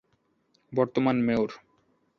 বর্তমান মেয়র-